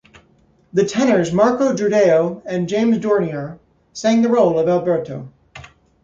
The tenors Marco Jordao and James Dornier sang the role of Alberto.